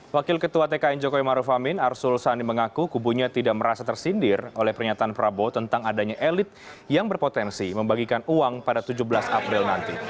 wakil ketua tkn jokowi maruf amin arsul sani mengaku kubunya tidak merasa tersindir oleh pernyataan prabowo tentang adanya elit yang berpotensi membagikan uang pada tujuh belas april nanti